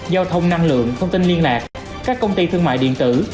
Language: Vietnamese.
giao thông năng lượng thông tin liên lạc các công ty thương mại điện tử